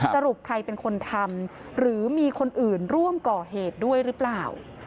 สรุปใครเป็นคนทำหรือมีคนอื่นร่วมก่อเหตุด้วยหรือเปล่า